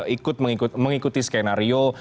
ikut mengikuti skenario